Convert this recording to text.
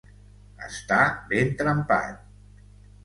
Estar ben trempat.